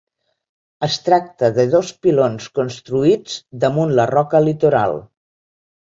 Es tracta de dos pilons construïts damunt la roca litoral.